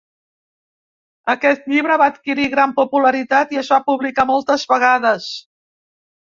Aquest llibre va adquirir gran popularitat i es va publicar moltes vegades.